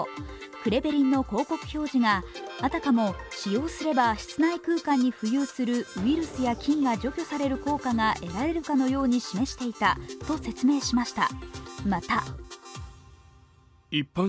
クレベリンの広告表示が、あたかも使用すれば室内空間に浮遊するウイルスや菌が除去する効果が得られるかのように示していたと説明しました。